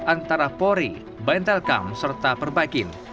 antara polri baintelkamp serta perbaikin